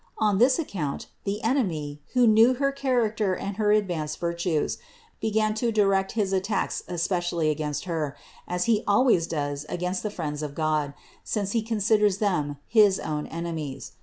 On this account the enemy, who knew her character and her ad vanced virtues, began to direct his attacks especially against her, as he always does against the friends of God, since he considers them his own enemies.